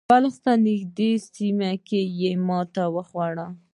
بلخ ته نږدې سیمه کې یې ماتې وخوړه.